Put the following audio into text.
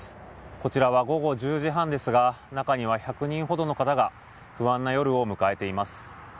こちらは午後１０時半ですが中には１００人ほどの方が不安な夜を迎えています。